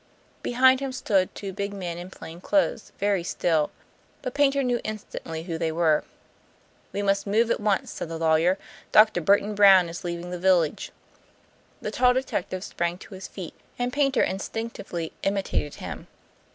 Behind him stood two big men in plain clothes, very still; but Paynter knew instantly who they were. "We must move at once," said the lawyer. "Dr. Burton Brown is leaving the village." The tall detective sprang to his feet, and Paynter instinctively imitated him.